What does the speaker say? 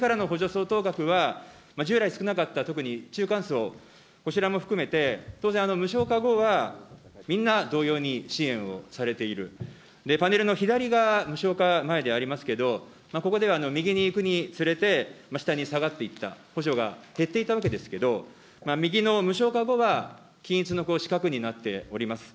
そうとう額は、従来少なかった、特に中間層、こちらも含めて、当然、無償化後はみんな同様に支援をされている、パネルの左側、無償化前でありますけど、ここでは右に行くにつれて、下に下がっていった、補助が減っていたわけですけど、右の無償化後は、均一の四角になっております。